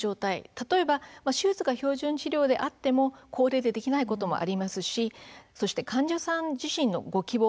例えば手術が標準治療であっても高齢でできないこともありますし患者さん自身のご希望